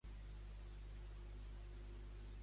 Amb què es relaciona sant Sixt?